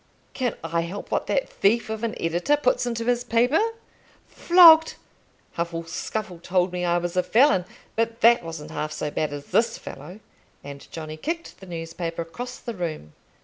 "Can I help what that thief of an editor puts into his paper? Flogged! Huffle Scuffle told me I was a felon, but that wasn't half so bad as this fellow;" and Johnny kicked the newspaper across the room.